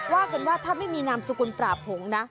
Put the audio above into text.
ว่ากันว่าถ้าไม่มีนามสกุลปราบหงษ์นะ